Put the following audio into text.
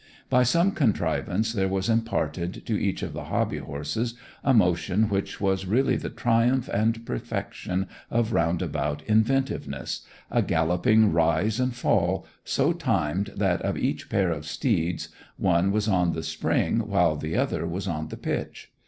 By some contrivance there was imparted to each of the hobby horses a motion which was really the triumph and perfection of roundabout inventiveness—a galloping rise and fall, so timed that, of each pair of steeds, one was on the spring while the other was on the pitch.